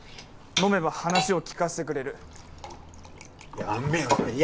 飲めば話を聞かせてくれるやめろ